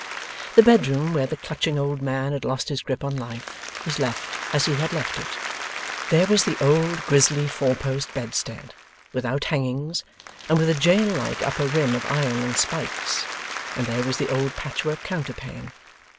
The bedroom where the clutching old man had lost his grip on life, was left as he had left it. There was the old grisly four post bedstead, without hangings, and with a jail like upper rim of iron and spikes; and there was the old patch work counterpane.